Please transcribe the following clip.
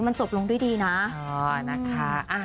คุณพุทธอ๋อนะคะ